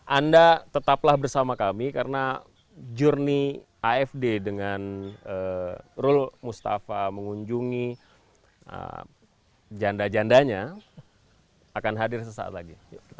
anda tetaplah bersama kami karena jurni afd dengan rule mustafa mengunjungi janda jandanya akan hadir sesaat lagi